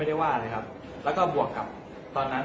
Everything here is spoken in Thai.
แล้วก็พอเล่ากับเขาก็คอยจับอย่างนี้ครับ